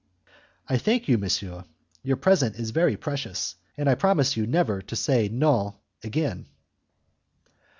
"I thank you, monsieur, your present is very precious, and I promise you never to say non again."